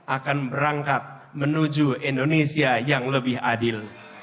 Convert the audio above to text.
akan berangkat menuju indonesia yang lebih adil